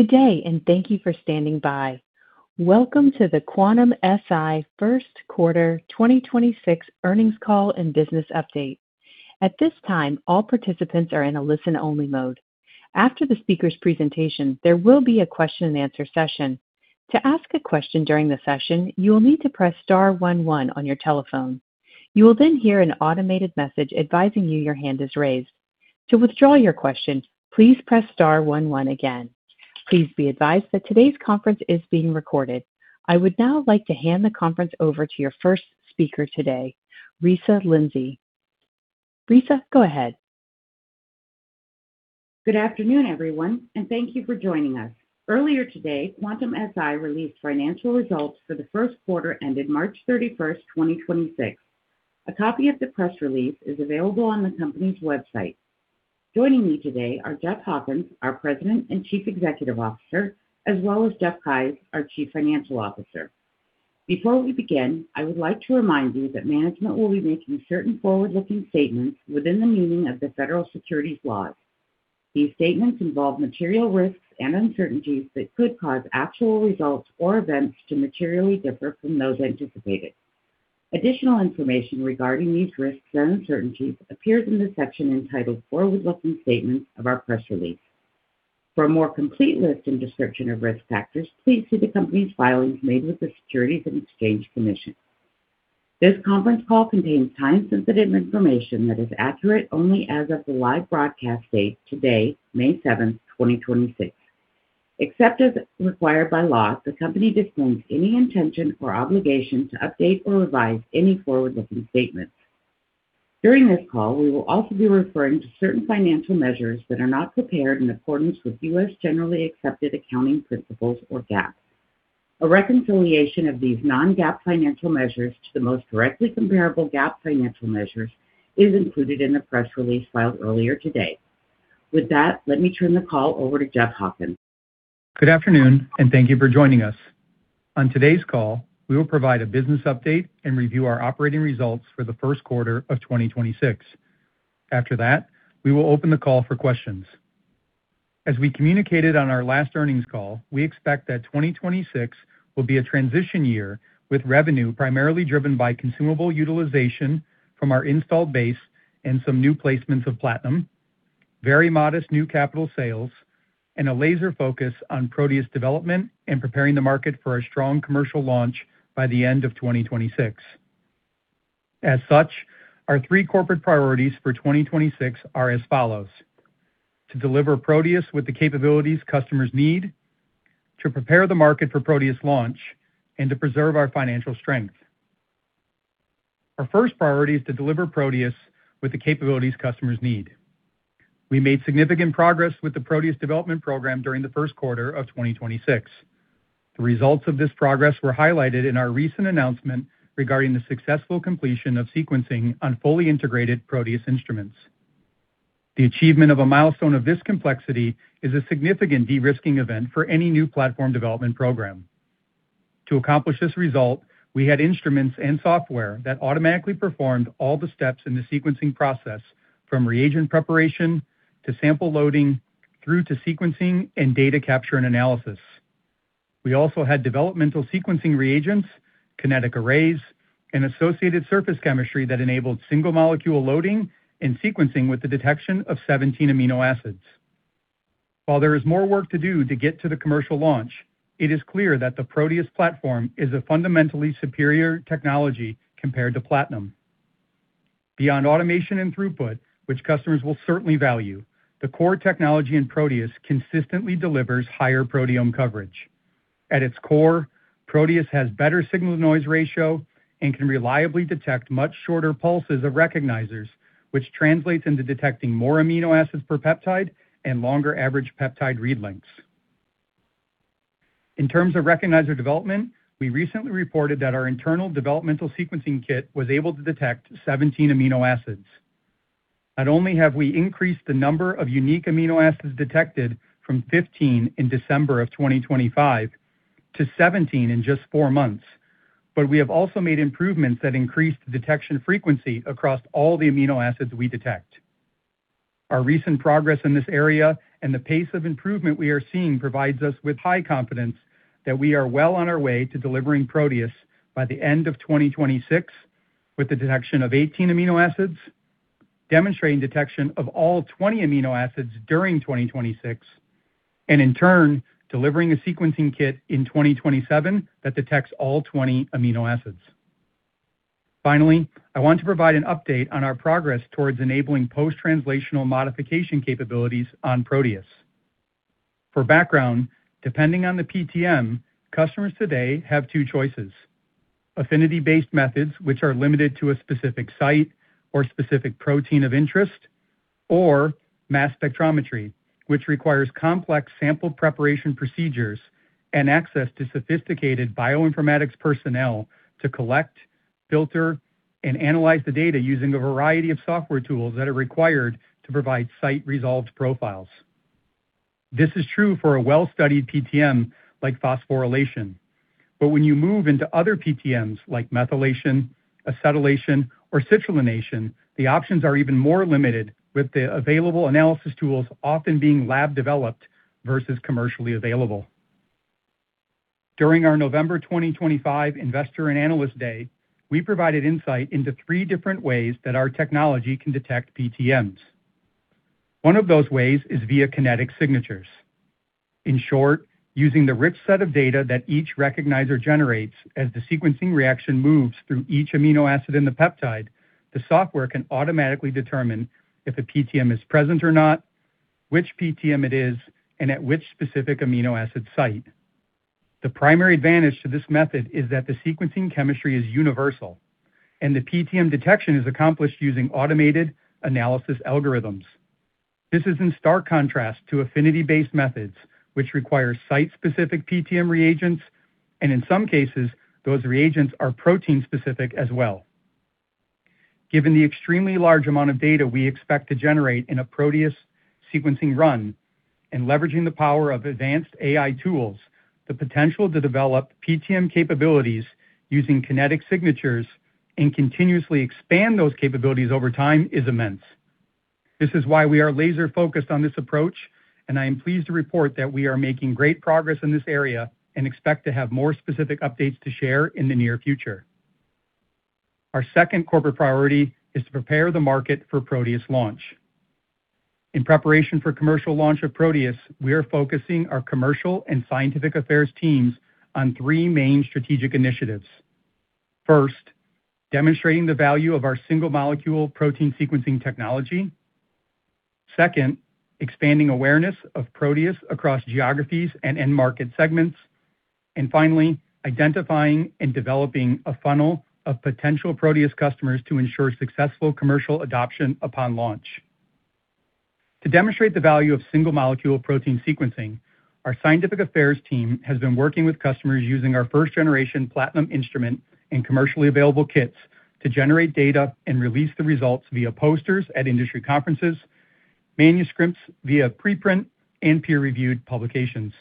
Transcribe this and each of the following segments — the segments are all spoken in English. Good day, and thank you for standing by. Welcome to the Quantum-Si First Quarter 2026 Earnings Call and Business Update. At this time, all participants are in a listen-only mode. After the speaker's presentation, there will be a question and answer session. To ask a question during the session, you will need to press star one one on your telephone. You will hear an automated message advising you your hand is raised. To withdraw your question, please press star one one again. Please be advised that today's conference is being recorded. I would now like to hand the conference over to your first speaker today, Risa Lindsay. Risa, go ahead. Good afternoon, everyone, and thank you for joining us. Earlier today, Quantum-Si released financial results for the first quarter ended March 31st, 2026. A copy of the press release is available on the company's website. Joining me today are Jeff Hawkins, our President and Chief Executive Officer, as well as Jeff Keyes, our Chief Financial Officer. Before we begin, I would like to remind you that management will be making certain forward-looking statements within the meaning of the federal securities laws. These statements involve material risks and uncertainties that could cause actual results or events to materially differ from those anticipated. Additional information regarding these risks and uncertainties appears in the section entitled Forward-Looking Statements of our press release. For a more complete list and description of risk factors, please see the company's filings made with the Securities and Exchange Commission. This conference call contains time-sensitive information that is accurate only as of the live broadcast date, today, May 7th, 2026. Except as required by law, the company disclaims any intention or obligation to update or revise any forward-looking statements. During this call, we will also be referring to certain financial measures that are not prepared in accordance with U.S. generally accepted accounting principles or GAAP. A reconciliation of these non-GAAP financial measures to the most directly comparable GAAP financial measures is included in the press release filed earlier today. With that, let me turn the call over to Jeff Hawkins. Good afternoon, and thank you for joining us. On today's call, we will provide a business update and review our operating results for the first quarter of 2026. After that, we will open the call for questions. As we communicated on our last earnings call, we expect that 2026 will be a transition year with revenue primarily driven by consumable utilization from our installed base and some new placements of Platinum, very modest new capital sales, and a laser focus on Proteus development and preparing the market for a strong commercial launch by the end of 2026. Our three corporate priorities for 2026 are as follows: to deliver Proteus with the capabilities customers need, to prepare the market for Proteus launch, and to preserve our financial strength. Our first priority is to deliver Proteus with the capabilities customers need. We made significant progress with the Proteus development program during the first quarter of 2026. The results of this progress were highlighted in our recent announcement regarding the successful completion of sequencing on fully integrated Proteus instruments. The achievement of a milestone of this complexity is a significant de-risking event for any new platform development program. To accomplish this result, we had instruments and software that automatically performed all the steps in the sequencing process, from reagent preparation to sample loading through to sequencing and data capture and analysis. We also had developmental sequencing reagents, kinetic arrays, and associated surface chemistry that enabled single-molecule loading and sequencing with the detection of 17 amino acids. While there is more work to do to get to the commercial launch, it is clear that the Proteus platform is a fundamentally superior technology compared to Platinum. Beyond automation and throughput, which customers will certainly value, the core technology in Proteus consistently delivers higher proteome coverage. At its core, Proteus has better signal-to-noise ratio and can reliably detect much shorter pulses of recognizers, which translates into detecting more amino acids per peptide and longer average peptide read lengths. In terms of recognizer development, we recently reported that our internal developmental sequencing kit was able to detect 17 amino acids. Not only have we increased the number of unique amino acids detected from 15 in December of 2025 to 17 in just 4 months, but we have also made improvements that increase the detection frequency across all the amino acids we detect. Our recent progress in this area and the pace of improvement we are seeing provides us with high confidence that we are well on our way to delivering Proteus by the end of 2026 with the detection of 18 amino acids, demonstrating detection of all 20 amino acids during 2026, and in turn, delivering a sequencing kit in 2027 that detects all 20 amino acids. Finally, I want to provide an update on our progress towards enabling post-translational modification capabilities on Proteus. For background, depending on the PTM, customers today have two choices, affinity-based methods, which are limited to a specific site or specific protein of interest, or mass spectrometry, which requires complex sample preparation procedures and access to sophisticated bioinformatics personnel to collect, filter, and analyze the data using a variety of software tools that are required to provide site-resolved profiles. This is true for a well-studied PTM like phosphorylation. When you move into other PTMs like methylation, acetylation, or citrullination, the options are even more limited with the available analysis tools often being lab-developed versus commercially available. During our November 2025 Investor and Analyst Day, we provided insight into three different ways that our technology can detect PTMs. One of those ways is via kinetic signatures. In short, using the rich set of data that each recognizer generates as the sequencing reaction moves through each amino acid in the peptide, the software can automatically determine if a PTM is present or not, which PTM it is, and at which specific amino acid site. The primary advantage to this method is that the sequencing chemistry is universal, and the PTM detection is accomplished using automated analysis algorithms. This is in stark contrast to affinity-based methods, which require site-specific PTM reagents, and in some cases, those reagents are protein-specific as well. Given the extremely large amount of data we expect to generate in a Proteus sequencing run and leveraging the power of advanced AI tools, the potential to develop PTM capabilities using kinetic signatures and continuously expand those capabilities over time is immense. This is why we are laser-focused on this approach, and I am pleased to report that we are making great progress in this area and expect to have more specific updates to share in the near future. Our second corporate priority is to prepare the market for Proteus launch. In preparation for commercial launch of Proteus, we are focusing our commercial and scientific affairs teams on three main strategic initiatives. First, demonstrating the value of our single-molecule protein sequencing technology. Expanding awareness of Proteus across geographies and end market segments. Finally, identifying and developing a funnel of potential Proteus customers to ensure successful commercial adoption upon launch. To demonstrate the value of single-molecule protein sequencing, our scientific affairs team has been working with customers using our first-generation Platinum instrument and commercially available kits to generate data and release the results via posters at industry conferences, manuscripts via preprint and peer-reviewed publications.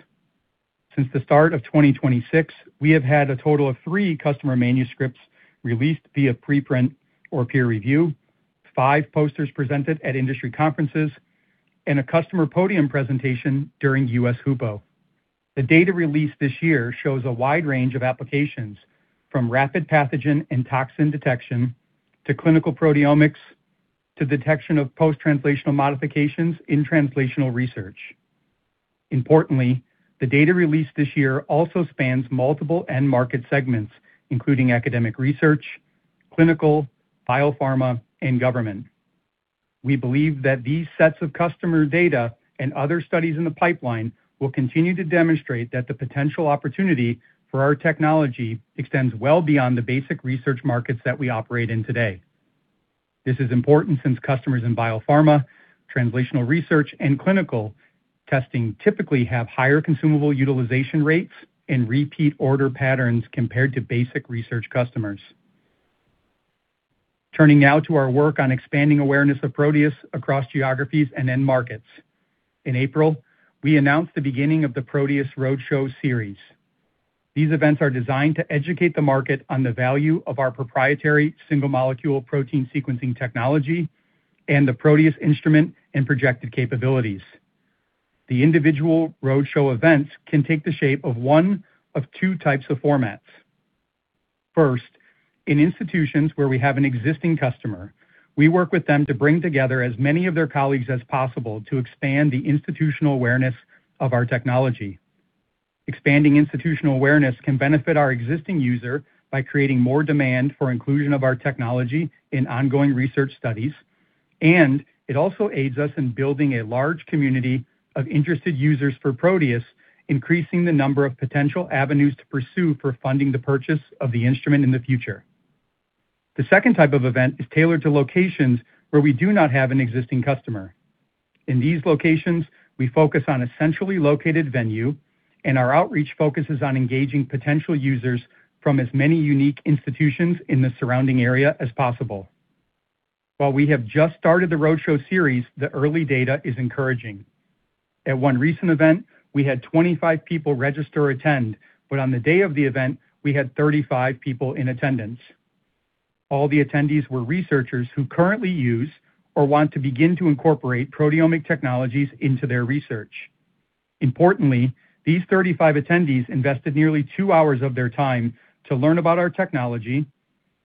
Since the start of 2026, we have had a total of three customer manuscripts released via preprint or peer review, five posters presented at industry conferences, and a customer podium presentation during US HUPO. The data released this year shows a wide range of applications, from rapid pathogen and toxin detection, to clinical proteomics, to detection of post-translational modifications in translational research. The data released this year also spans multiple end market segments, including academic research, clinical, biopharma, and government. We believe that these sets of customer data and other studies in the pipeline will continue to demonstrate that the potential opportunity for our technology extends well beyond the basic research markets that we operate in today. This is important since customers in biopharma, translational research, and clinical testing typically have higher consumable utilization rates and repeat order patterns compared to basic research customers. Turning now to our work on expanding awareness of Proteus across geographies and end markets. In April, we announced the beginning of the Proteus roadshow series. These events are designed to educate the market on the value of our proprietary single-molecule protein sequencing technology and the Proteus instrument and projected capabilities. The individual roadshow events can take the shape of one of two types of formats. First, in institutions where we have an existing customer, we work with them to bring together as many of their colleagues as possible to expand the institutional awareness of our technology. Expanding institutional awareness can benefit our existing user by creating more demand for inclusion of our technology in ongoing research studies, and it also aids us in building a large community of interested users for Proteus, increasing the number of potential avenues to pursue for funding the purchase of the instrument in the future. The second type of event is tailored to locations where we do not have an existing customer. In these locations, we focus on a centrally located venue, and our outreach focuses on engaging potential users from as many unique institutions in the surrounding area as possible. While we have just started the roadshow series, the early data is encouraging. At one recent event, we had 25 people register or attend, but on the day of the event, we had 35 people in attendance. All the attendees were researchers who currently use or want to begin to incorporate proteomic technologies into their research. Importantly, these 35 attendees invested nearly two hours of their time to learn about our technology,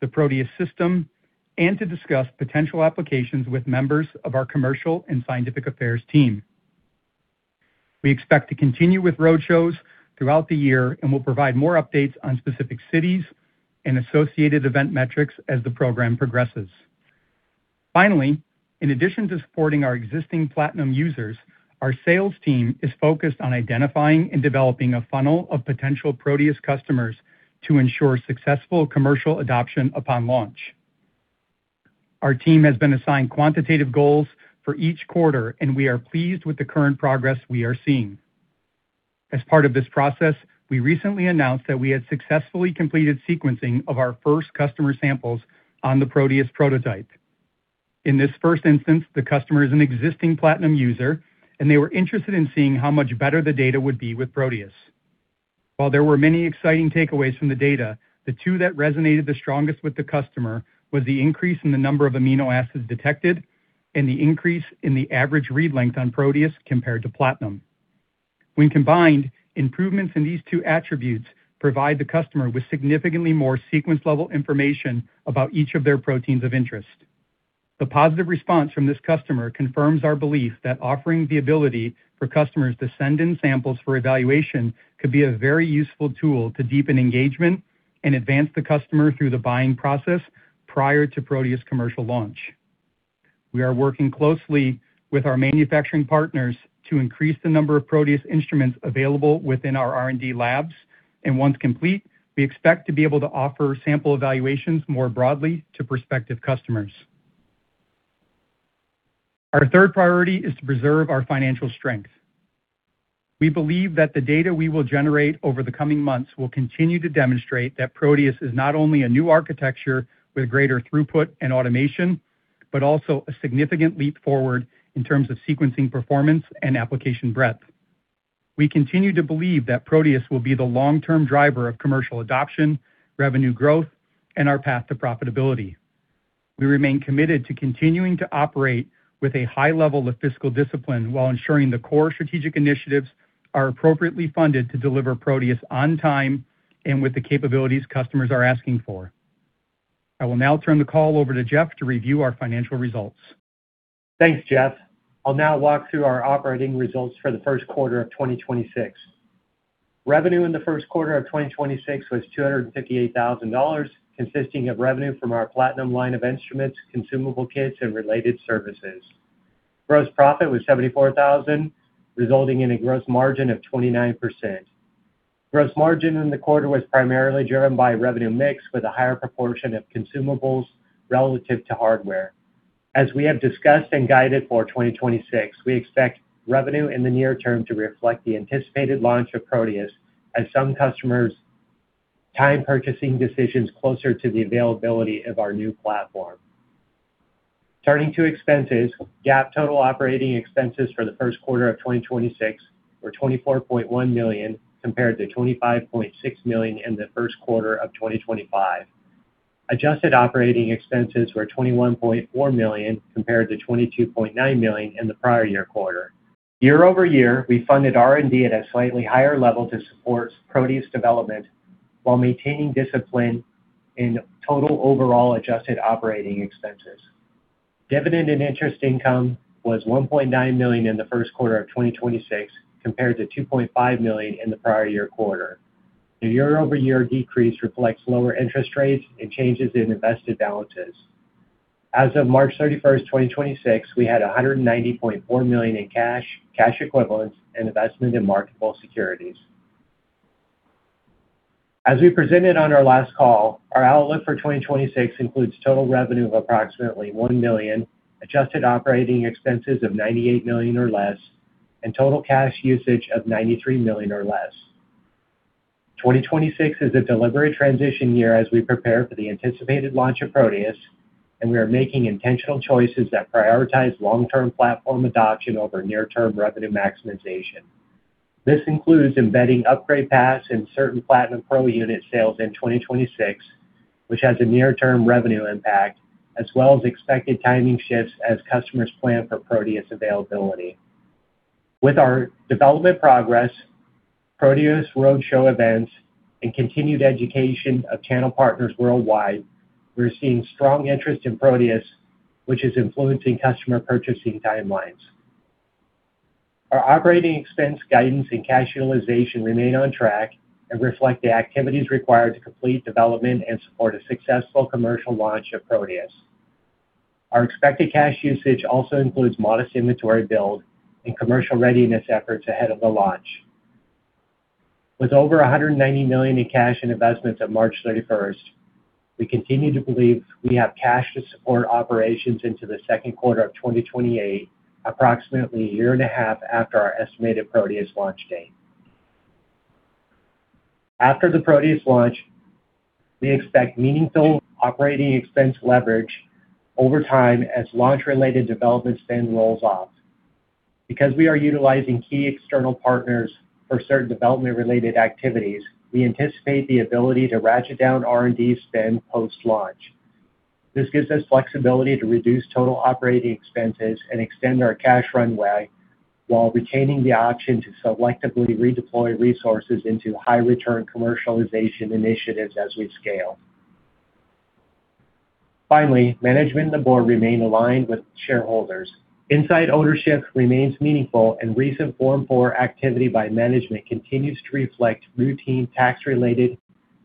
the Proteus system, and to discuss potential applications with members of our commercial and scientific affairs team. We expect to continue with roadshows throughout the year and will provide more updates on specific cities and associated event metrics as the program progresses. Finally, in addition to supporting our existing Platinum users, our sales team is focused on identifying and developing a funnel of potential Proteus customers to ensure successful commercial adoption upon launch. Our team has been assigned quantitative goals for each quarter, and we are pleased with the current progress we are seeing. As part of this process, we recently announced that we had successfully completed sequencing of our first customer samples on the Proteus prototype. In this first instance, the customer is an existing Platinum user, and they were interested in seeing how much better the data would be with Proteus. While there were many exciting takeaways from the data, the two that resonated the strongest with the customer was the increase in the number of amino acids detected and the increase in the average read length on Proteus compared to Platinum. When combined, improvements in these two attributes provide the customer with significantly more sequence-level information about each of their proteins of interest. The positive response from this customer confirms our belief that offering the ability for customers to send in samples for evaluation could be a very useful tool to deepen engagement and advance the customer through the buying process prior to Proteus commercial launch. We are working closely with our manufacturing partners to increase the number of Proteus instruments available within our R&D labs, and once complete, we expect to be able to offer sample evaluations more broadly to prospective customers. Our third priority is to preserve our financial strength. We believe that the data we will generate over the coming months will continue to demonstrate that Proteus is not only a new architecture with greater throughput and automation, but also a significant leap forward in terms of sequencing, performance, and application breadth. We continue to believe that Proteus will be the long-term driver of commercial adoption, revenue growth, and our path to profitability. We remain committed to continuing to operate with a high level of fiscal discipline while ensuring the core strategic initiatives are appropriately funded to deliver Proteus on time and with the capabilities customers are asking for. I will now turn the call over to Jeff to review our financial results. Thanks, Jeff. I'll now walk through our operating results for the first quarter of 2026. Revenue in the first quarter of 2026 was $258,000, consisting of revenue from our Platinum line of instruments, consumable kits, and related services. Gross profit was $74,000, resulting in a gross margin of 29%. Gross margin in the quarter was primarily driven by revenue mix with a higher proportion of consumables relative to hardware. As we have discussed and guided for 2026, we expect revenue in the near term to reflect the anticipated launch of Proteus as some customers time purchasing decisions closer to the availability of our new platform. Turning to expenses, GAAP total operating expenses for the first quarter of 2026 were $24.1 million, compared to $25.6 million in the first quarter of 2025. Adjusted operating expenses were $21.4 million compared to $22.9 million in the prior year quarter. Year-over-year, we funded R&D at a slightly higher level to support Proteus development while maintaining discipline in total overall adjusted operating expenses. Dividend and interest income was $1.9 million in the first quarter of 2026, compared to $2.5 million in the prior year quarter. The year-over-year decrease reflects lower interest rates and changes in invested balances. As of March 31st, 2026, we had $190.4 million in cash equivalents, and investment in marketable securities. As we presented on our last call, our outlook for 2026 includes total revenue of approximately $1 million, adjusted operating expenses of $98 million or less, and total cash usage of $93 million or less. 2026 is a delivery transition year as we prepare for the anticipated launch of Proteus, and we are making intentional choices that prioritize long-term platform adoption over near-term revenue maximization. This includes embedding upgrade paths and certain Platinum Pro unit sales in 2026, which has a near-term revenue impact, as well as expected timing shifts as customers plan for Proteus availability. With our development progress, Proteus roadshow events, and continued education of channel partners worldwide, we're seeing strong interest in Proteus, which is influencing customer purchasing timelines. Our operating expense guidance and cash utilization remain on track and reflect the activities required to complete development and support a successful commercial launch of Proteus. Our expected cash usage also includes modest inventory build and commercial readiness efforts ahead of the launch. With over $190 million in cash and investments at March 31st, we continue to believe we have cash to support operations into the second quarter of 2028, approximately a year and a half after our estimated Proteus launch date. After the Proteus launch, we expect meaningful operating expense leverage over time as launch-related development spend rolls off. Because we are utilizing key external partners for certain development-related activities, we anticipate the ability to ratchet down R&D spend post-launch. This gives us flexibility to reduce total operating expenses and extend our cash runway while retaining the option to selectively redeploy resources into high-return commercialization initiatives as we scale. Management and the board remain aligned with shareholders. Inside ownership remains meaningful. Recent Form 4 activity by management continues to reflect routine tax-related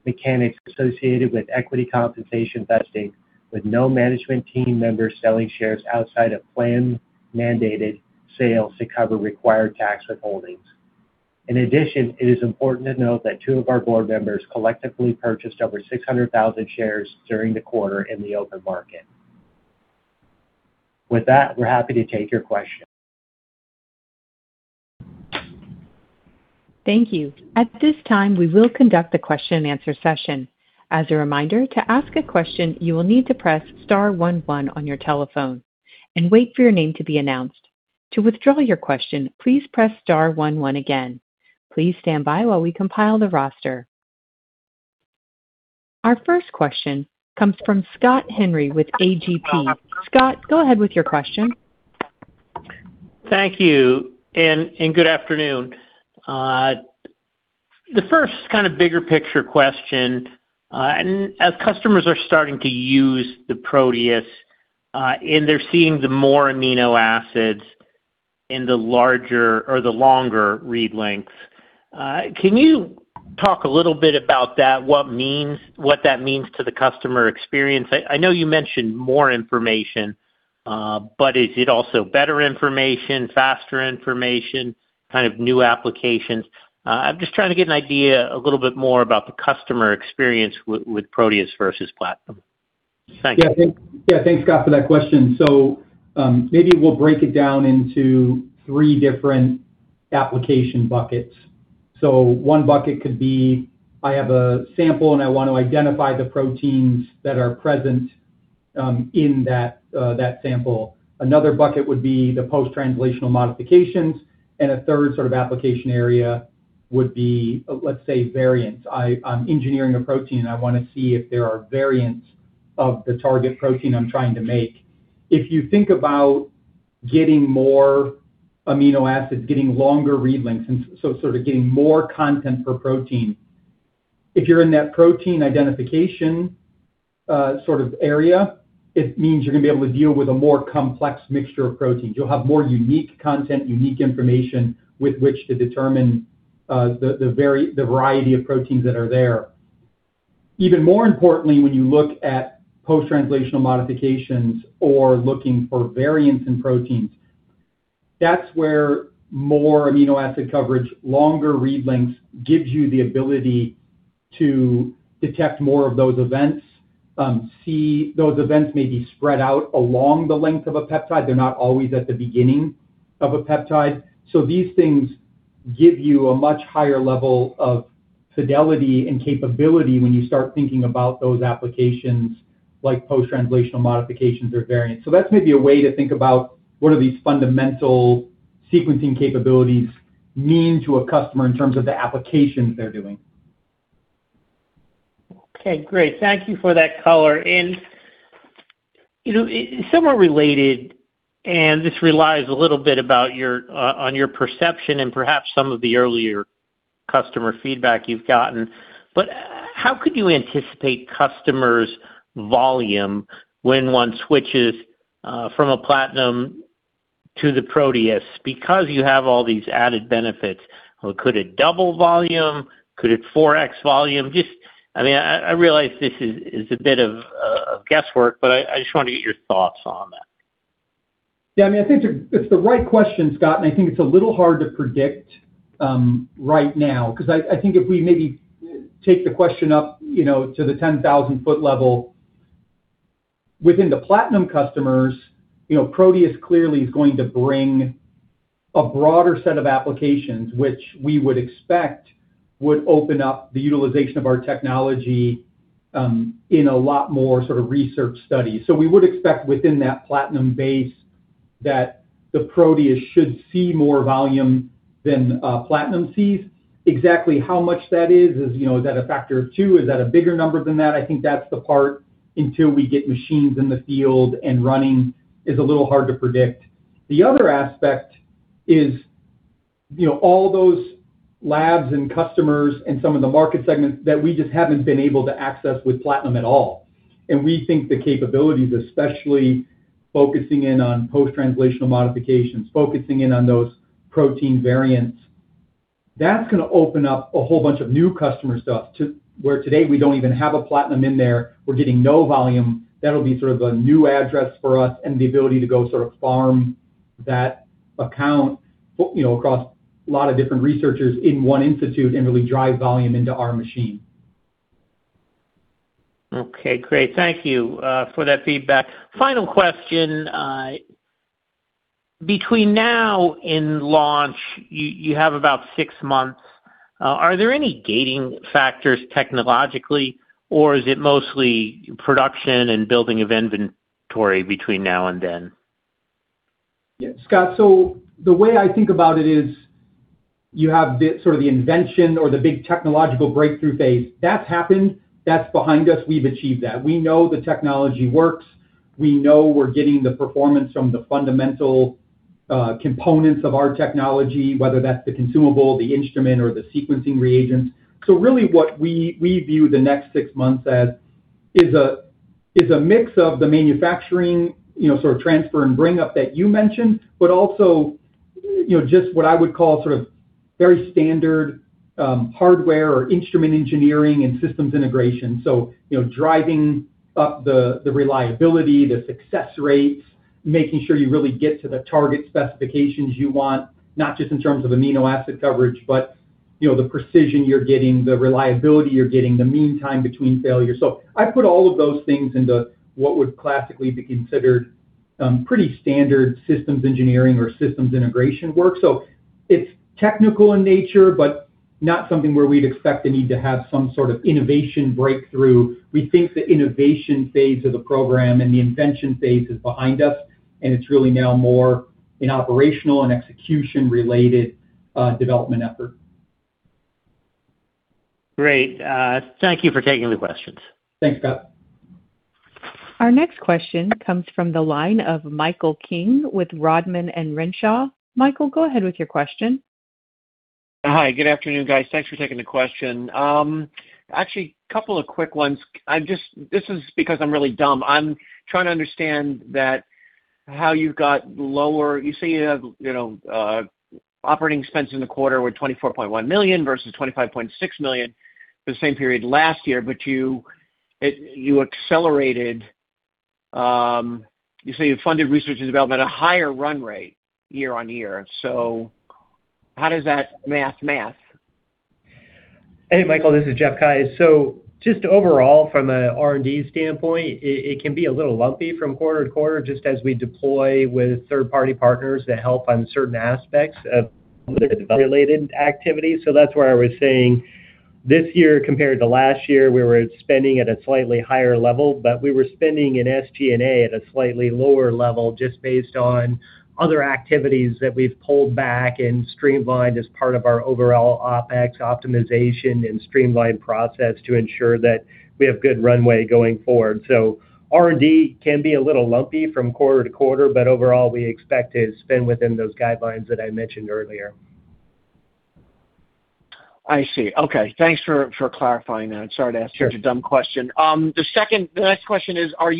mechanics associated with equity compensation vesting, with no management team members selling shares outside of plan-mandated sales to cover required tax withholdings. In addition, it is important to note that two of our board members collectively purchased over 600,000 shares during the quarter in the open market. With that, we're happy to take your questions. Thank you. At this time, we will conduct the question and answer session. As a reminder, to ask a question, you will need to press star one one on your telephone and wait for your name to be announced. To withdraw your question, please press star one one again. Please standby while we compile the roster. Our first question comes from Scott Henry with A.G.P. Scott, go ahead with your question. Thank you. Good afternoon. The first kind of bigger picture question. As customers are starting to use the Proteus, they're seeing the more amino acids in the larger or the longer read lengths. Can you talk a little bit about that? What that means to the customer experience? I know you mentioned more information. Is it also better information, faster information, kind of new applications? I'm just trying to get an idea a little bit more about the customer experience with Proteus versus Platinum. Thank you. Yeah. Thanks, Scott for that question. Maybe we'll break it down into three different application buckets. One bucket could be, I have a sample and I want to identify the proteins that are present in that sample. Another bucket would be the post-translational modifications, and a third sort of application area would be, let's say, variants. I'm engineering a protein, and I want to see if there are variants of the target protein I'm trying to make. If you think about getting more amino acids, getting longer read lengths, sort of getting more content per protein, if you're in that protein identification sort of area, it means you're going to be able to deal with a more complex mixture of proteins. You'll have more unique content, unique information with which to determine the variety of proteins that are there. Even more importantly, when you look at post-translational modifications or looking for variants in proteins, that's where more amino acid coverage, longer read lengths, gives you the ability to detect more of those events, see those events may be spread out along the length of a peptide. They're not always at the beginning of a peptide. These things give you a much higher level of fidelity and capability when you start thinking about those applications like post-translational modifications or variants. That's maybe a way to think about what are these fundamental sequencing capabilities mean to a customer in terms of the applications they're doing. Okay, great. Thank you for that color. You know, somewhat related, and this relies a little bit about your on your perception and perhaps some of the earlier customer feedback you've gotten, but how could you anticipate customers' volume when one switches from a Platinum to the Proteus because you have all these added benefits? Could it double volume? Could it 4x volume? I mean, I realize this is a bit of guesswork, but I just wanted to get your thoughts on that. Yeah, I mean, I think it's the right question, Scott, and I think it's a little hard to predict right now because I think if we maybe take the question up, you know, to the 10,000 ft level, within the Platinum customers, you know, Proteus clearly is going to bring a broader set of applications, which we would expect would open up the utilization of our technology in a lot more sort of research studies. We would expect within that Platinum base that the Proteus should see more volume than Platinum sees. Exactly how much that is, you know, is that a factor of two? Is that a bigger number than that? I think that's the part until we get machines in the field and running is a little hard to predict. The other aspect is, you know, all those labs and customers and some of the market segments that we just haven't been able to access with Platinum at all. We think the capabilities, especially focusing in on post-translational modifications, focusing in on those protein variants, that's going to open up a whole bunch of new customer stuff to where today we don't even have a Platinum in there. We're getting no volume. That'll be sort of a new address for us and the ability to go sort of farm that account, you know, across a lot of different researchers in one institute and really drive volume into our machine. Okay, great. Thank you for that feedback. Final question. Between now and launch, you have about six months. Are there any gating factors technologically, or is it mostly production and building of inventory between now and then? Yeah. Scott, the way I think about it is you have the sort of the invention or the big technological breakthrough phase. That's happened. That's behind us. We've achieved that. We know the technology works. We know we're getting the performance from the fundamental components of our technology, whether that's the consumable, the instrument, or the sequencing reagent. Really what we view the next six months as is a, is a mix of the manufacturing, you know, sort of transfer and bring up that you mentioned, but also, you know, just what I would call sort of very standard hardware or instrument engineering and systems integration. You know, driving up the reliability, the success rates, making sure you really get to the target specifications you want, not just in terms of amino acid coverage, but you know, the precision you're getting, the reliability you're getting, the mean time between failures. I put all of those things into what would classically be considered pretty standard systems engineering or systems integration work. It's technical in nature, but not something where we'd expect the need to have some sort of innovation breakthrough. We think the innovation phase of the program and the invention phase is behind us, and it's really now more an operational and execution-related development effort. Great. Thank you for taking the questions. Thanks, Scott. Our next question comes from the line of Michael King with Rodman & Renshaw. Michael, go ahead with your question. Hi. Good afternoon, guys. Thanks for taking the question. Actually, a couple of quick ones. This is because I'm really dumb. I'm trying to understand how you've got lower. You say you have OpEx in the quarter were $24.1 million versus $25.6 million for the same period last year, but you accelerated. You say you funded research and development at a higher run rate year-over-year. How does that math math? Hey, Michael, this is Jeff Keyes. Just overall, from a R&D standpoint, it can be a little lumpy from quarter to quarter, just as we deploy with third-party partners to help on certain aspects of the development-related activities. That's where I was saying this year compared to last year, we were spending at a slightly higher level, but we were spending in SG&A at a slightly lower level just based on other activities that we've pulled back and streamlined as part of our overall OpEx optimization and streamlined process to ensure that we have good runway going forward. R&D can be a little lumpy from quarter to quarter, but overall, we expect to spend within those guidelines that I mentioned earlier. I see. Okay. Thanks for clarifying that. Sorry to ask such a dumb question. The next question is, are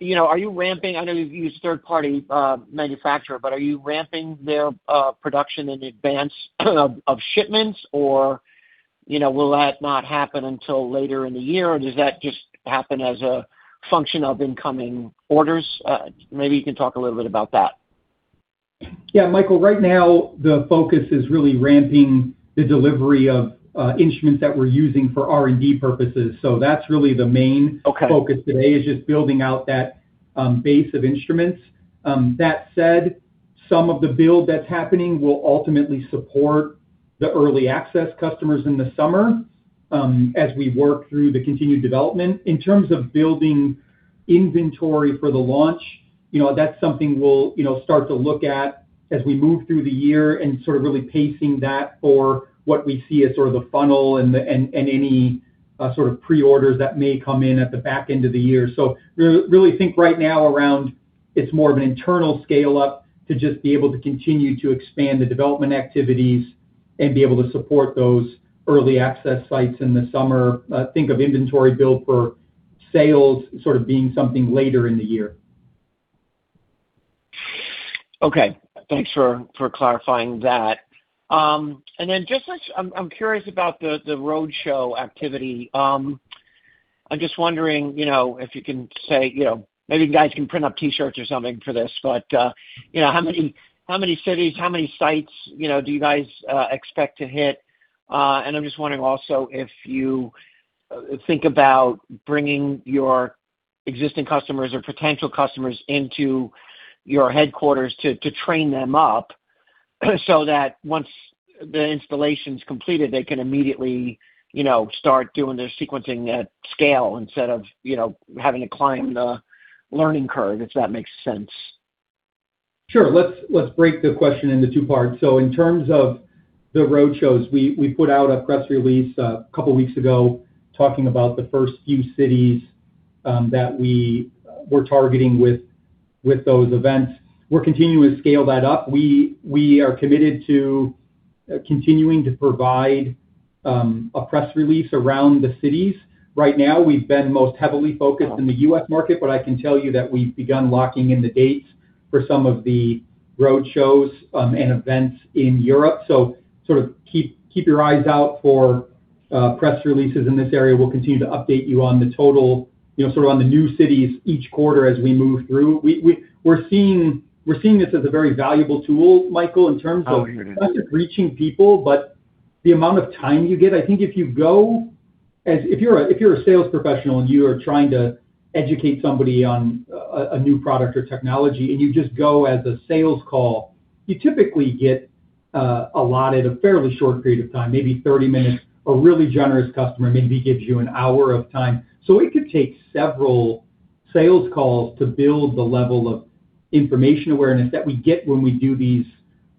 you know, are you ramping I know you've used third-party manufacturer, but are you ramping their production in advance of shipments? You know, will that not happen until later in the year? Does that just happen as a function of incoming orders? Maybe you can talk a little bit about that. Yeah, Michael, right now, the focus is really ramping the delivery of instruments that we're using for R&D purposes. Okay. Focus today is just building out that base of instruments. That said, some of the build that's happening will ultimately support the early access customers in the summer as we work through the continued development. In terms of building inventory for the launch, you know, that's something we'll, you know, start to look at as we move through the year and sort of really pacing that for what we see as sort of the funnel and any pre-orders that may come in at the back end of the year. Really think right now around it's more of an internal scale-up to just be able to continue to expand the development activities and be able to support those early access sites in the summer. Think of inventory build for sales sort of being something later in the year. Okay. Thanks for clarifying that. Just I'm curious about the roadshow activity. I'm just wondering, you know, if you can say, you know, maybe you guys can print up t-shirts or something for this, but, you know, how many cities, how many sites, you know, do you guys expect to hit? I'm just wondering also if you think about bringing your existing customers or potential customers into your headquarters to train them up so that once the installation's completed, they can immediately, you know, start doing their sequencing at scale instead of, you know, having to climb the learning curve, if that makes sense. Sure. Let's break the question into two parts. In terms of the roadshows, we put out a press release a couple weeks ago talking about the first few cities that we were targeting with those events. We're continuing to scale that up. We are committed to continuing to provide a press release around the cities. Right now, we've been most heavily focused in the U.S. market, but I can tell you that we've begun locking in the dates for some of the roadshows and events in Europe. Sort of keep your eyes out for press releases in this area. We'll continue to update you on the total sort of on the new cities each quarter as we move through. We're seeing this as a very valuable tool, Michael. Oh, sure. Not just reaching people, but the amount of time you get. I think if you go as if you're a sales professional and you are trying to educate somebody on a new product or technology and you just go as a sales call, you typically get allotted a fairly short period of time, maybe 30 minutes. A really generous customer maybe gives you an hour of time. It could take several sales calls to build the level of information awareness that we get when we do these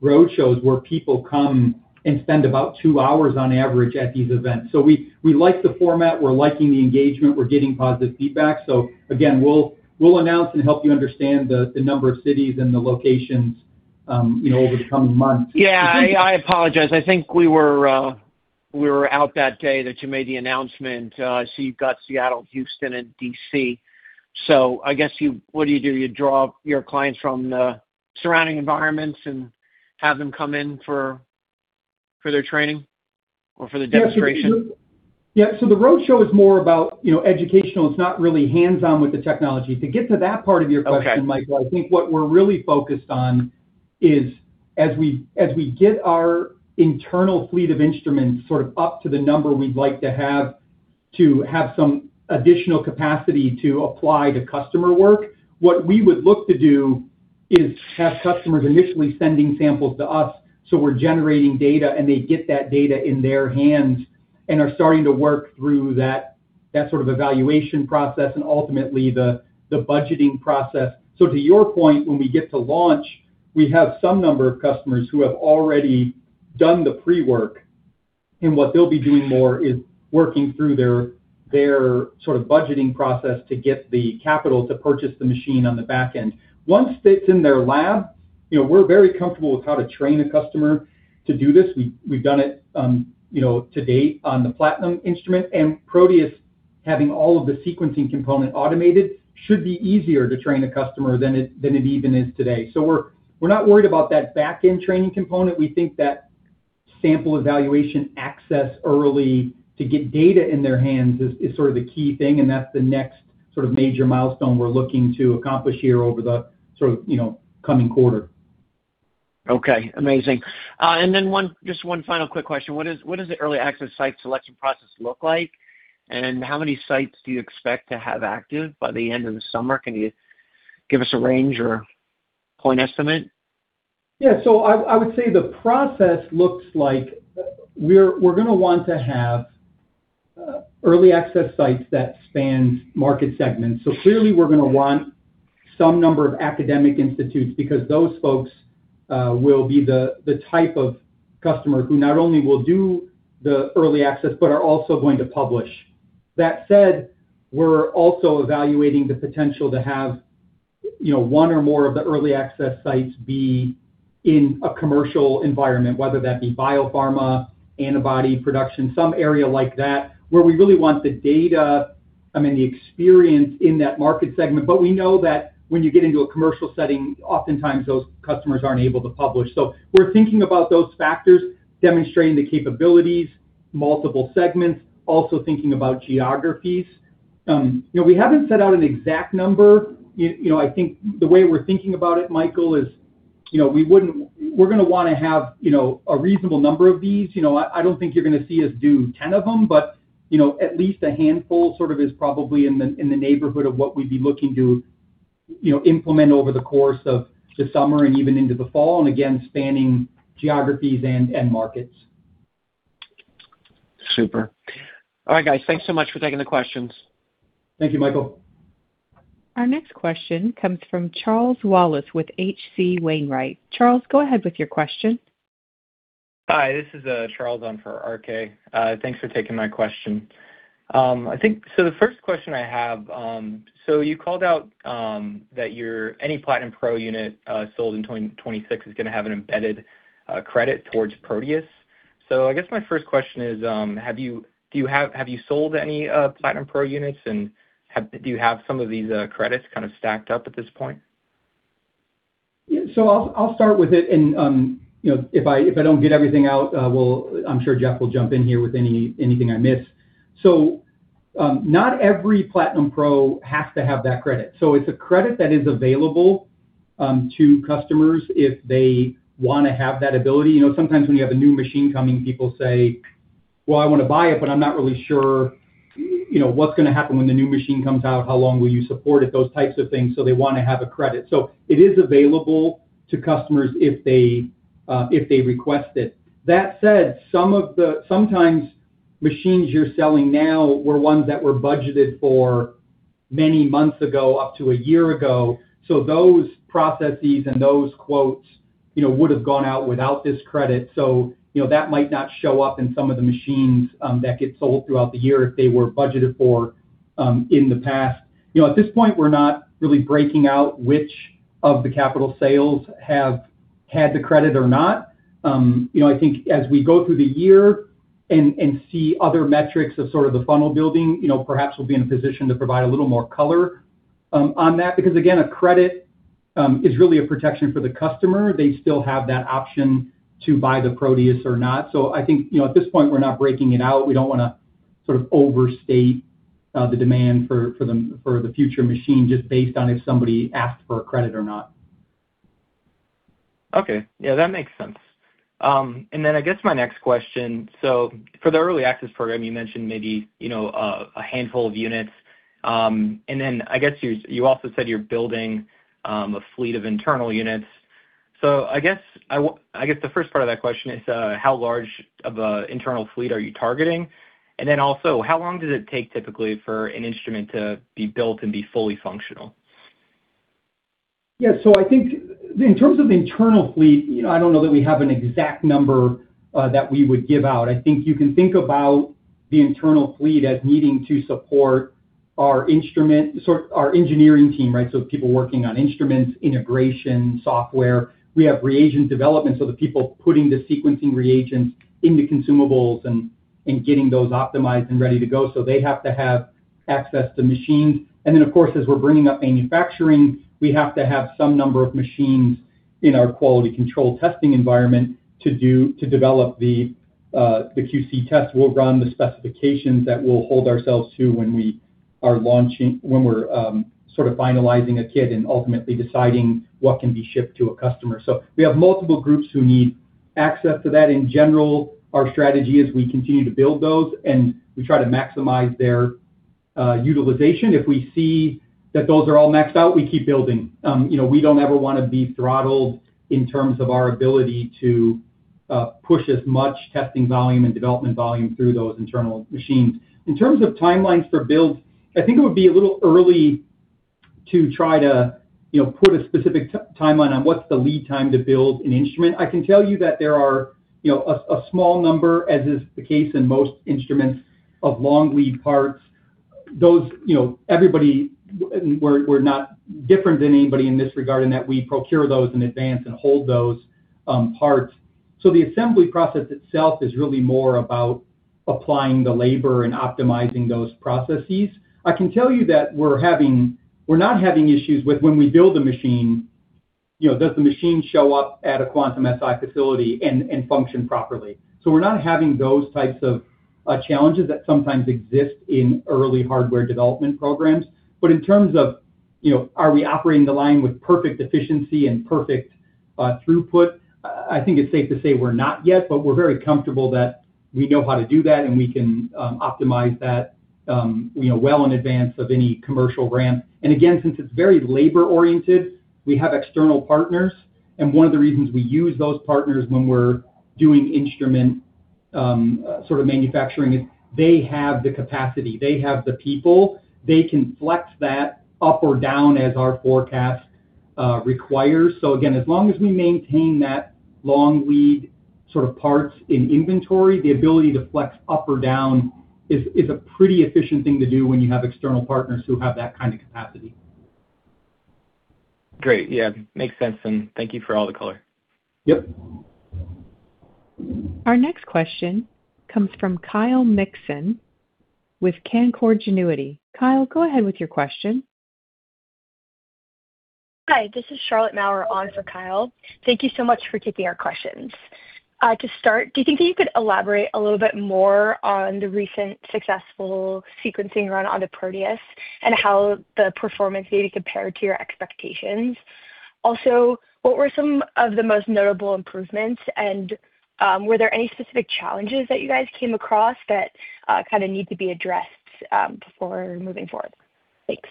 roadshows, where people come and spend about two hours on average at these events. We like the format. We're liking the engagement. We're getting positive feedback. Again, we'll announce and help you understand the number of cities and the locations, you know, over the coming months. Yeah, I apologize. I think we were out that day that you made the announcement. I see you've got Seattle, Houston, and D.C. I guess What do you do? You draw your clients from the surrounding environments and have them come in for their training or for the demonstration? Yeah, the roadshow is more about, you know, educational. It's not really hands-on with the technology. Okay. Michael, I think what we're really focused on is, as we get our internal fleet of instruments sort of up to the number we'd like to have to have some additional capacity to apply to customer work, what we would look to do is have customers initially sending samples to us so we're generating data and they get that data in their hands and are starting to work through that sort of evaluation process and ultimately the budgeting process. To your point, when we get to launch, we have some number of customers who have already done the pre-work, and what they'll be doing more is working through their sort of budgeting process to get the capital to purchase the machine on the back end. Once it's in their lab, you know, we're very comfortable with how to train a customer to do this. We've done it to date on the Platinum instrument. Proteus having all of the sequencing component automated should be easier to train a customer than it even is today. We're not worried about that back end training component. We think that sample evaluation access early to get data in their hands is sort of the key thing, and that's the next sort of major milestone we're looking to accomplish here over the sort of coming quarter. Okay. Amazing. Just one final quick question. What does the early access site selection process look like? How many sites do you expect to have active by the end of the summer? Can you give us a range or point estimate? Yeah. I would say the process looks like we're gonna want to have early access sites that span market segments. Clearly we're gonna want some number of academic institutes because those folks will be the type of customer who not only will do the early access but are also going to publish. That said, we're also evaluating the potential to have, you know, one or more of the early access sites be in a commercial environment, whether that be biopharma, antibody production, some area like that where we really want the data, I mean, the experience in that market segment. We know that when you get into a commercial setting, oftentimes those customers aren't able to publish. We're thinking about those factors, demonstrating the capabilities, multiple segments, also thinking about geographies. You know, we haven't set out an exact number. You know, I think the way we're thinking about it, Michael, is, you know, we're gonna wanna have, you know, a reasonable number of these. You know, I don't think you're gonna see us do 10 of them, you know, at least a handful sort of is probably in the neighborhood of what we'd be looking to, you know, implement over the course of the summer and even into the fall, again, spanning geographies and markets. Super. All right, guys, thanks so much for taking the questions. Thank you, Michael. Our next question comes from Charles Wallace with H.C. Wainwright. Charles, go ahead with your question. Hi, this is Charles on for R.K. Thanks for taking my question. The first question I have, you called out that any Platinum Pro unit sold in 2026 is gonna have an embedded credit towards Proteus. I guess my first question is, have you sold any Platinum Pro units, and do you have some of these credits kind of stacked up at this point? I'll start with it and, you know, if I don't get everything out, I'm sure Jeff will jump in here with anything I miss. Not every Platinum Pro has to have that credit. It's a credit that is available to customers if they want to have that ability. You know, sometimes when you have a new machine coming, people say, "Well, I want to buy it, but I'm not really sure, you know, what's going to happen when the new machine comes out. How long will you support it?" Those types of things, they want to have a credit. It is available to customers if they request it. That said, sometimes machines you're selling now were ones that were budgeted for many months ago, up to a year ago. Those processes and those quotes would have gone out without this credit. That might not show up in some of the machines that get sold throughout the year if they were budgeted for in the past. At this point, we're not really breaking out which of the capital sales have had the credit or not. I think as we go through the year and see other metrics of sort of the funnel building, perhaps we'll be in a position to provide a little more color on that. Again, a credit is really a protection for the customer. They still have that option to buy the Proteus or not. I think, at this point, we're not breaking it out. We don't wanna sort of overstate, the demand for the future machine just based on if somebody asked for a credit or not. Okay. Yeah, that makes sense. I guess my next question, for the early access program, you mentioned maybe, you know, a handful of units. I guess you also said you're building a fleet of internal units. I guess the first part of that question is how large of a internal fleet are you targeting? Also, how long does it take typically for an instrument to be built and be fully functional? Yeah. I think in terms of internal fleet, you know, I don't know that we have an exact number that we would give out. I think you can think about the internal fleet as needing to support our instrument, sort of our engineering team, right? People working on instruments, integration, software. We have reagent development, the people putting the sequencing reagents into consumables and getting those optimized and ready to go, they have to have access to machines. Of course, as we're bringing up manufacturing, we have to have some number of machines in our quality control testing environment to develop the QC test. We'll run the specifications that we'll hold ourselves to when we are launching when we're sort of finalizing a kit and ultimately deciding what can be shipped to a customer. We have multiple groups who need access to that. In general, our strategy is we continue to build those, and we try to maximize their utilization. If we see that those are all maxed out, we keep building. You know, we don't ever want to be throttled in terms of our ability to push as much testing volume and development volume through those internal machines. In terms of timelines for builds, I think it would be a little early to try to, you know, put a specific timeline on what's the lead time to build an instrument. I can tell you that there are, you know, a small number, as is the case in most instruments, of long lead parts. Those, you know, everybody, we're not different than anybody in this regard in that we procure those in advance and hold those parts. The assembly process itself is really more about applying the labor and optimizing those processes. I can tell you that we're not having issues with when we build the machine, you know, does the machine show up at a Quantum-Si facility and function properly? We're not having those types of challenges that sometimes exist in early hardware development programs. In terms of, you know, are we operating the line with perfect efficiency and perfect throughput, I think it's safe to say we're not yet, but we're very comfortable that we know how to do that, and we can optimize that, you know, well in advance of any commercial ramp. Again, since it's very labor-oriented, we have external partners, and one of the reasons we use those partners when we're doing instrument, sort of manufacturing is they have the capacity, they have the people, they can flex that up or down as our forecast requires. Again, as long as we maintain that long lead sort of parts in inventory, the ability to flex up or down is a pretty efficient thing to do when you have external partners who have that kind of capacity. Great. Yeah. Makes sense, and thank you for all the color. Yep. Our next question comes from Kyle Mikson with Canaccord Genuity. Kyle, go ahead with your question. Hi, this is Charlotte Maurer on for Kyle. Thank you so much for taking our questions. To start, do you think that you could elaborate a little bit more on the recent successful sequencing run on the Proteus and how the performance maybe compared to your expectations? Also, what were some of the most notable improvements, and were there any specific challenges that you guys came across that kind of need to be addressed before moving forward? Thanks.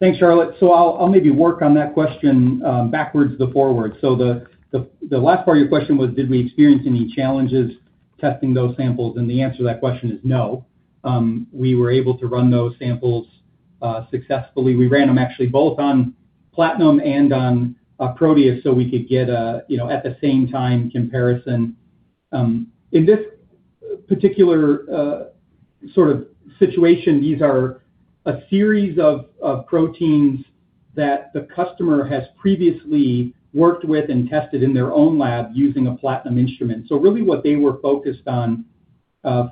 Thanks, Charlotte. I'll maybe work on that question backwards to forwards. The last part of your question was, did we experience any challenges testing those samples? The answer to that question is no. We were able to run those samples successfully. We ran them actually both on Platinum and on Proteus, so we could get a, you know, at the same time comparison. In this particular sort of situation, these are a series of proteins that the customer has previously worked with and tested in their own lab using a Platinum instrument. Really what they were focused on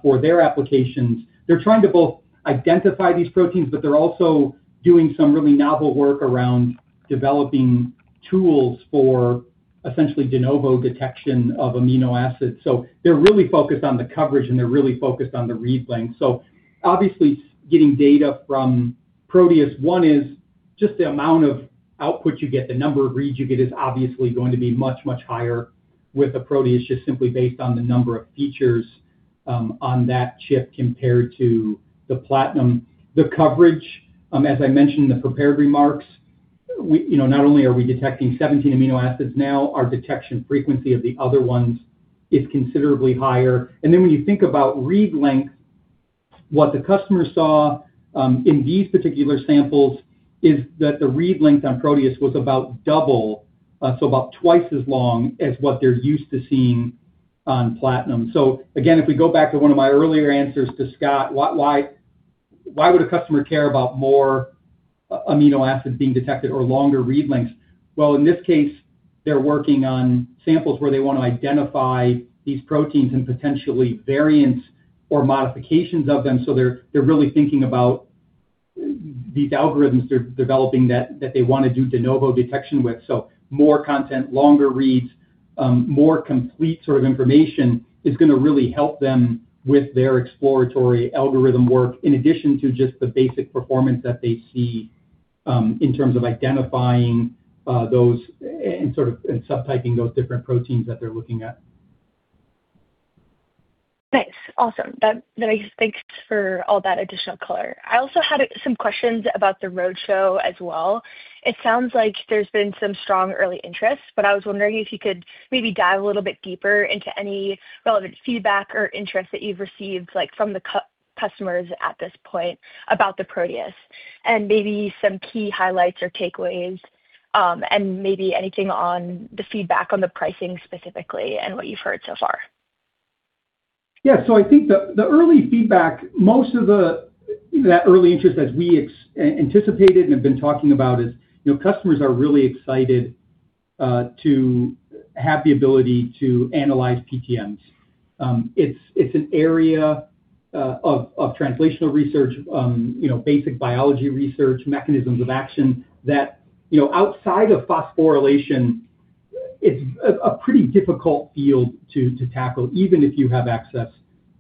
for their applications, they're trying to both identify these proteins, but they're also doing some really novel work around developing tools for essentially de novo detection of amino acids. They're really focused on the coverage, and they're really focused on the read length. Obviously getting data from Proteus, one is just the amount of output you get, the number of reads you get is obviously going to be much, much higher with a Proteus just simply based on the number of features on that chip compared to the Platinum. The coverage, as I mentioned in the prepared remarks, we, you know, not only are we detecting 17 amino acids now, our detection frequency of the other ones is considerably higher. When you think about read length, what the customer saw in these particular samples is that the read length on Proteus was about double, so about twice as long as what they're used to seeing on Platinum. Again, if we go back to one of my earlier answers to Scott, why would a customer care about more amino acids being detected or longer read lengths? In this case, they're working on samples where they want to identify these proteins and potentially variants or modifications of them. They're really thinking about these algorithms they're developing that they want to do de novo detection with. More content, longer reads, more complete sort of information is going to really help them with their exploratory algorithm work in addition to just the basic performance that they see in terms of identifying those and subtyping those different proteins that they're looking at. Nice. Awesome. Thanks for all that additional color. I also had some questions about the roadshow as well. It sounds like there's been some strong early interest. I was wondering if you could maybe dive a little bit deeper into any relevant feedback or interest that you've received, like from the customers at this point about the Proteus, and maybe some key highlights or takeaways, and maybe anything on the feedback on the pricing specifically and what you've heard so far. I think the early feedback, most of that early interest as we anticipated and have been talking about is, you know, customers are really excited to have the ability to analyze PTMs. It's an area of translational research, you know, basic biology research, mechanisms of action that, you know, outside of phosphorylation. It's a pretty difficult field to tackle, even if you have access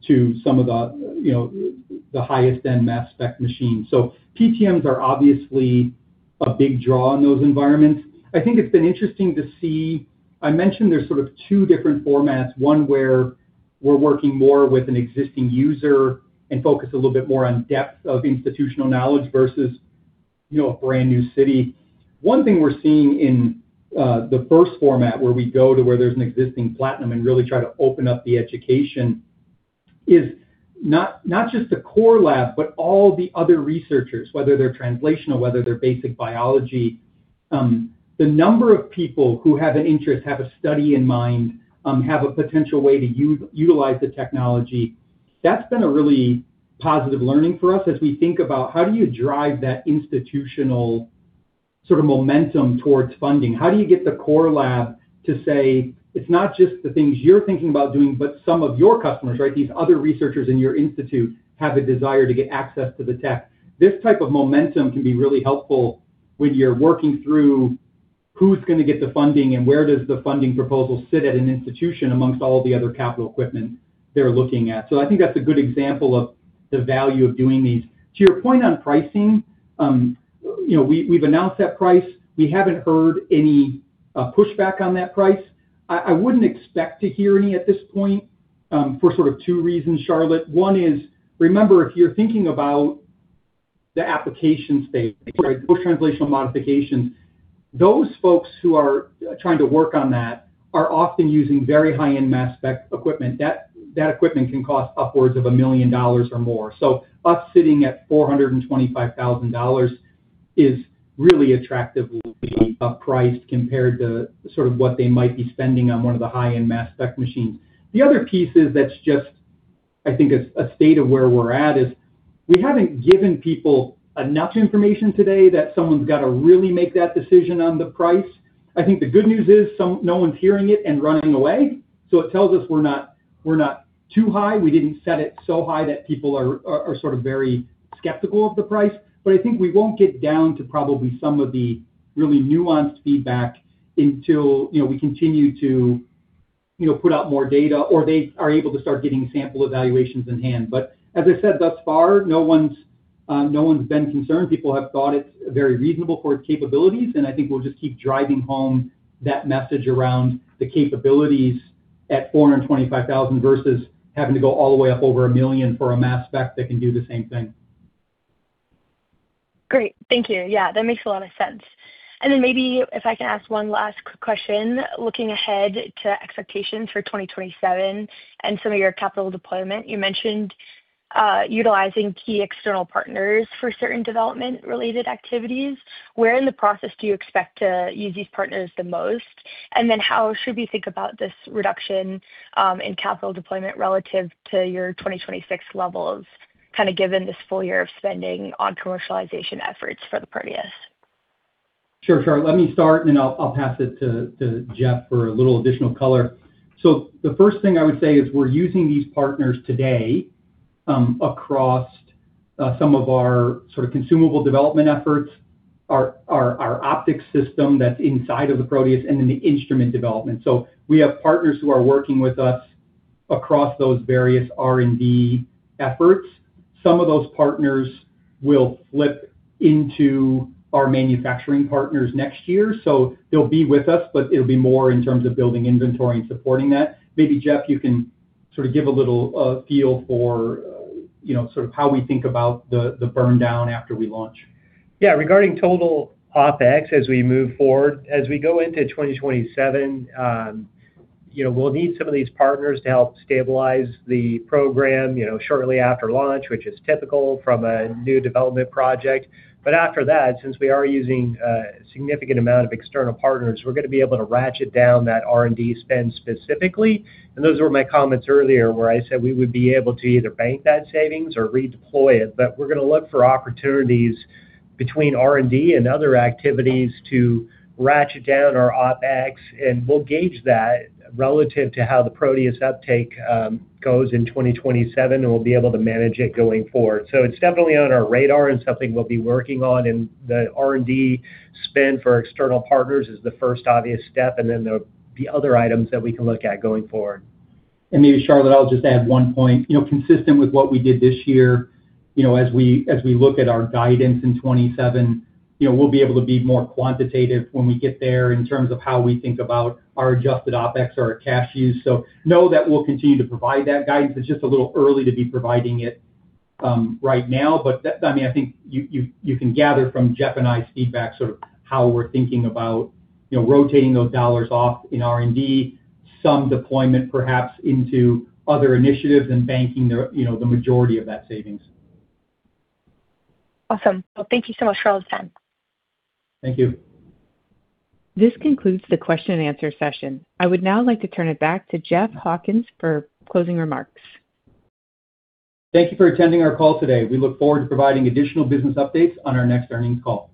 to some of the, you know, the highest-end mass spec machines. PTMs are obviously a big draw in those environments. I think it's been interesting to see I mentioned there's sort of two different formats. One where we're working more with an existing user and focus a little bit more on depth of institutional knowledge versus, you know, a brand-new city. One thing we're seeing in, the first format, where we go to where there's an existing Platinum and really try to open up the education, is not just the core lab, but all the other researchers, whether they're translational, whether they're basic biology, the number of people who have an interest, have a study in mind, have a potential way to utilize the technology. That's been a really positive learning for us as we think about how do you drive that institutional sort of momentum towards funding. How do you get the core lab to say it's not just the things you're thinking about doing, but some of your customers, right, these other researchers in your institute have a desire to get access to the tech? This type of momentum can be really helpful when you're working through who's gonna get the funding and where does the funding proposal sit at an institution amongst all the other capital equipment they're looking at. I think that's a good example of the value of doing these. To your point on pricing, you know, we've announced that price. We haven't heard any pushback on that price. I wouldn't expect to hear any at this point, for sort of two reasons, Charlotte. One is, remember, if you're thinking about the application space, right, post-translational modifications, those folks who are trying to work on that are often using very high-end mass spec equipment. That equipment can cost upwards of a million dollars or more. Us sitting at $425,000 is really attractive price compared to sort of what they might be spending on one of the high-end mass spec machines. The other piece is that's just, I think, a state of where we're at is we haven't given people enough information today that someone's gotta really make that decision on the price. I think the good news is no one's hearing it and running away, so it tells us we're not too high. We didn't set it so high that people are sort of very skeptical of the price. I think we won't get down to probably some of the really nuanced feedback until, you know, we continue to, you know, put out more data or they are able to start getting sample evaluations in hand. As I said, thus far, no one's been concerned. People have thought it's very reasonable for its capabilities, and I think we'll just keep driving home that message around the capabilities at $425,000 versus having to go all the way up over a million for a mass spec that can do the same thing. Great. Thank you. Yeah, that makes a lot of sense. Maybe if I can ask one last quick question. Looking ahead to expectations for 2027 and some of your capital deployment, you mentioned utilizing key external partners for certain development-related activities. Where in the process do you expect to use these partners the most? How should we think about this reduction in capital deployment relative to your 2026 levels, kind of given this full year of spending on commercialization efforts for the Proteus? Sure, Charlotte. Let me start and then I'll pass it to Jeff for a little additional color. The first thing I would say is we're using these partners today across some of our sort of consumable development efforts, our optics system that's inside of the Proteus, and in the instrument development. We have partners who are working with us across those various R&D efforts. Some of those partners will flip into our manufacturing partners next year. They'll be with us, but it'll be more in terms of building inventory and supporting that. Maybe, Jeff, you can sort of give a little feel for, you know, sort of how we think about the burn down after we launch. Yeah. Regarding total OpEx as we move forward, as we go into 2027, you know, we'll need some of these partners to help stabilize the program, you know, shortly after launch, which is typical from a new development project. After that, since we are using a significant amount of external partners, we're gonna be able to ratchet down that R&D spend specifically. Those were my comments earlier where I said we would be able to either bank that savings or redeploy it. We're gonna look for opportunities between R&D and other activities to ratchet down our OpEx, and we'll gauge that relative to how the Proteus uptake goes in 2027, and we'll be able to manage it going forward. It's definitely on our radar and something we'll be working on in the R&D spend for external partners is the first obvious step, and then there'll be other items that we can look at going forward. Maybe, Charlotte, I'll just add one point. You know, consistent with what we did this year, you know, as we, as we look at our guidance in 2027, you know, we'll be able to be more quantitative when we get there in terms of how we think about our adjusted OpEx or our cash use. Know that we'll continue to provide that guidance. It's just a little early to be providing it right now. I mean, I think you, you can gather from Jeff and I's feedback sort of how we're thinking about, you know, rotating those dollars off in R&D, some deployment perhaps into other initiatives and banking the, you know, the majority of that savings. Awesome. Well, thank you so much for all the time. Thank you. This concludes the question and answer session. I would now like to turn it back to Jeff Hawkins for closing remarks. Thank you for attending our call today. We look forward to providing additional business updates on our next earnings call.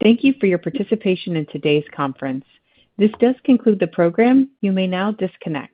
Thank you for your participation in today's conference. This does conclude the program. You may now disconnect.